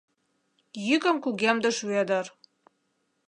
— Йӱкым кугемдыш Вӧдыр.